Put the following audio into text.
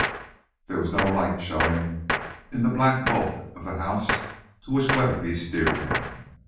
There was no light showing in the black bulk of the house to which Weatherby steered them.